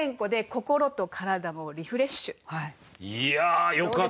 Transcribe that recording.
いやよかった。